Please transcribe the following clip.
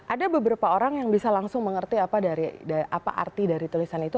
ada beberapa orang yang bisa langsung mengerti apa arti dari tulisan itu